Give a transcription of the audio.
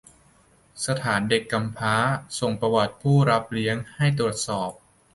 สถานเด็กกำพร้าส่งประวัติผู้ถูกรับเลี้ยงให้ตรวจสอบ